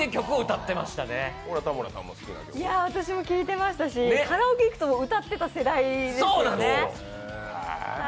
私も聞いていましたしカラオケ行くと歌っていた時代でしたね。